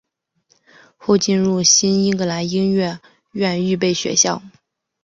后进入新英格兰音乐院预备学校。